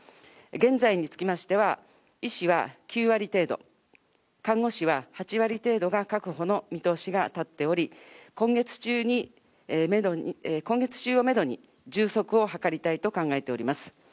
現在につきましては、医師は９割程度、看護師は８割程度が確保の見通しが立っており、今月中をメドに充足を図りたいと考えております。